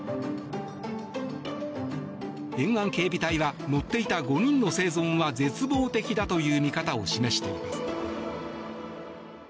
沿岸警備隊は乗っていた５人の生存は絶望的だという見方を示しています。